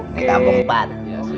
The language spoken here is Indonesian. ini kampung empat